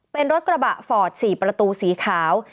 เป็นรถกระบะฟอร์ด๔ประตูสีขาว